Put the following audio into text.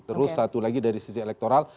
terus satu lagi dari sisi elektoral